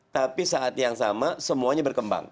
tapi saat yang sama semuanya berkembang